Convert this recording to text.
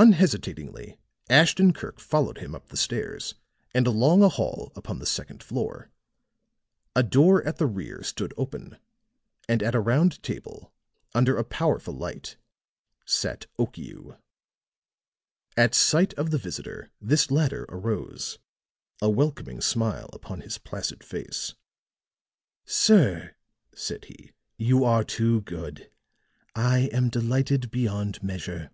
Unhesitatingly Ashton Kirk followed him up the stairs and along a hall upon the second floor. A door at the rear stood open, and at a round table, under a powerful light, sat Okiu. At sight of the visitor this latter arose, a welcoming smile upon his placid face. "Sir," said he, "you are too good. I am delighted beyond measure."